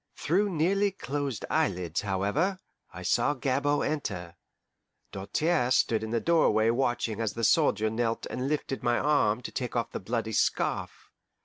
Through nearly closed eyelids however I saw Gabord enter. Doltaire stood in the doorway watching as the soldier knelt and lifted my arm to take off the bloody scarf.